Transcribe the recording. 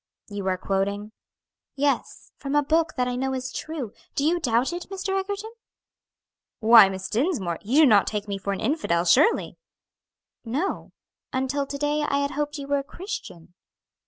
'" "You are quoting?" "Yes, from a book that I know is true. Do you doubt it, Mr. Egerton?" "Why, Miss Dinsmore, you do not take me for an infidel, surely?" "No, until to day I had hoped you were a Christian."